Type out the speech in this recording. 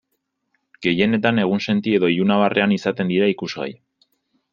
Gehienetan egunsenti edo ilunabarrean izaten dira ikusgai.